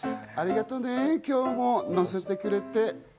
ありがとね、今日ものせてくれて。